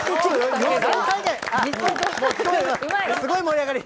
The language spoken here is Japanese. もうすごい盛り上がり。